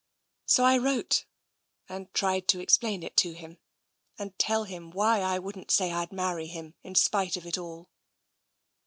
So I wrote and tried to explain it to him, and tell him why I wouldn't say I'd marry him in spite of it all."